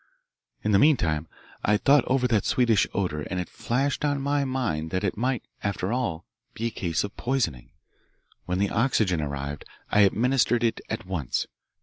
"In the meantime I had thought over that sweetish odour, and it flashed on my mind that it might, after all, be a case of poisoning. When the oxygen arrived I administered it at once.